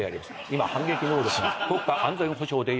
今反撃能力が国家安全保障で。